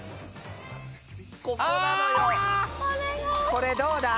これどうだ？